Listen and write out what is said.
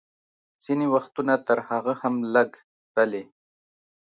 ځینې وختونه تر هغه هم لږ، بلې.